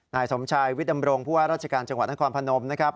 นายสมชายวิทย์ดำรงผู้ว่าราชการจังหวัดนครพนมนะครับ